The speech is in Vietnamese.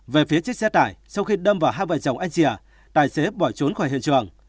về phía chiếc xe tải sau khi đâm vào hai vợ chồng anh rìa tài xế bỏ trốn khỏi hiện trường